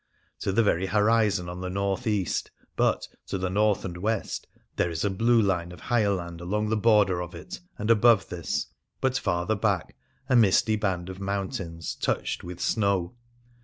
To the very horizon, on the north east : but, to the north and west, there is a blue line of higher land along the border of it, and above this, but farther back, a misty band of moun tains, touched with snow.